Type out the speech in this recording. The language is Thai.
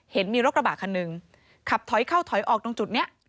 เห็นมีรถกระบะคันหนึ่งขับถอยเข้าถอยออกตรงจุดนี้